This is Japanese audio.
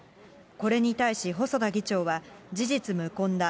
これに対し細田議長は、事実無根だ。